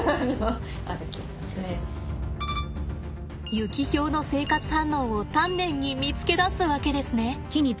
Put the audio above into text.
ユキヒョウの生活反応を丹念に見つけ出すわけですね。